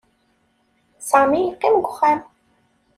Sami yeqqim deg uxxam.